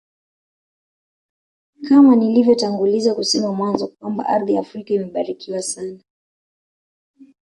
Kama nilivyotanguliza kusema mwanzo Kwamba ardhi ya Afrika imebarikiwa sana